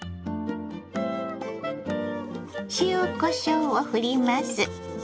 塩こしょうをふります。